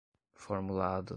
formulado